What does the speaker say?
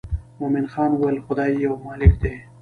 مومن خان وویل خدای یو مالک دی.